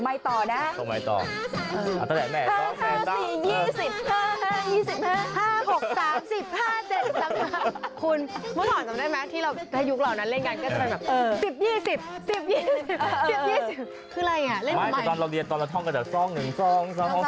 ไม่แต่ตอนเราเรียนตอนเราท่องกันแต่ซ่อง๑ซ่อง๒ซ่อง๓